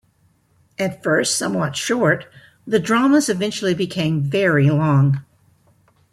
At first somewhat short, the dramas eventually became very long.